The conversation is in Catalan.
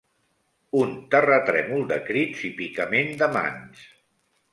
Un terratrèmol de crits i picament de mans